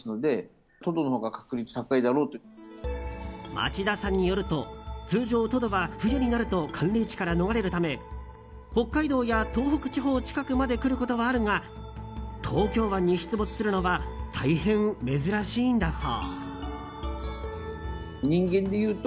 町田さんによると通常、トドは冬になると寒冷地から逃れるため北海道や東北地方近くまで来ることはあるが東京湾に出没するのは大変珍しいんだそう。